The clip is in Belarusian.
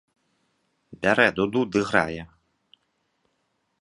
Бярэ дуду ды грае.